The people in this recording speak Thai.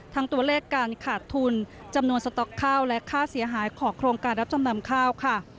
ตัวเลขการขาดทุนจำนวนสต๊อกข้าวและค่าเสียหายของโครงการรับจำนำข้าวค่ะ